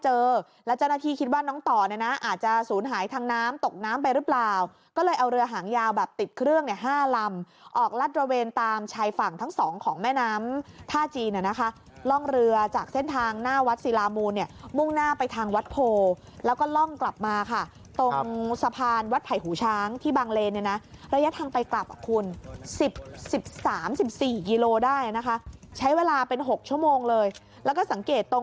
หลุนหายทางน้ำตกน้ำไปหรือเปล่าก็เลยเอาเรือหางยาวแบบติดเครื่อง๕ลำออกรัดระเวนตามชายฝั่งทั้งสองของแม่น้ำท่าจีนนะคะล่องเรือจากเส้นทางหน้าวัดสิรามูลมุ่งหน้าไปทางวัดโพลแล้วก็ล่องกลับมาค่ะตรงสะพานวัดไผ่หูช้างที่บังเลนนะระยะทางไปกราบคุณ๑๐๑๓๑๔กิโลได้นะคะใช้เวลาเป็น๖ชั่วโมงเลยแล้วก็สังเ